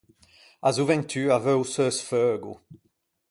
A zoventù a veu o seu sfeugo.